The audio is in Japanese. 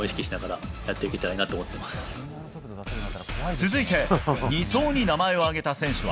続いて２走に名前を挙げた選手は？